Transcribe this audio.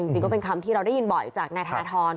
จริงก็เป็นคำที่เราได้ยินบ่อยจากนายธนทร